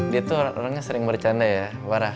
dia tuh orangnya sering bercanda ya